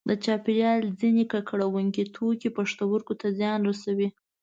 د چاپیریال ځینې ککړوونکي توکي پښتورګو ته زیان رسوي.